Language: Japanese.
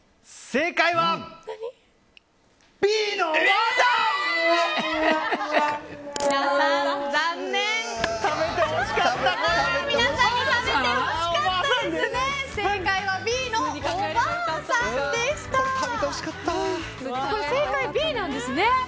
正解はＢなんですね。